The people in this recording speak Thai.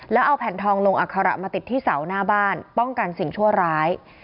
แล้วเอาแผ่นทองลงอัคระมาติดที่เสาหน้าบ้านป้องกันสิ่งชั่วร้าย